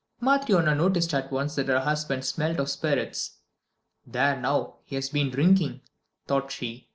Matryona noticed at once that her husband smelt of spirits. "There now, he has been drinking," thought she.